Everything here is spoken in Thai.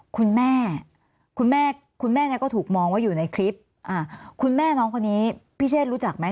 คุณแม่คุณแม่เนี่ยก็ถูกมองว่าอยู่ในคลิปคุณแม่น้องคนนี้พี่เชษรู้จักไหม